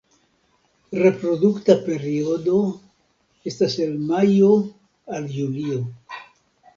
Reprodukta periodo estas el majo al julio.